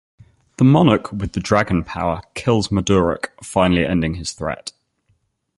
The monarch with the Dragon Power kills Madruk, finally ending his threat.